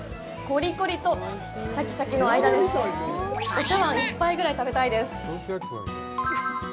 お茶わん１杯ぐらい食べたいです！